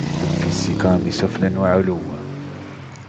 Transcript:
دب في السقام سفلاً وعلوا